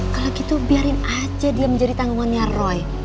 kalau gitu biarin aja dia menjadi tanggungannya roy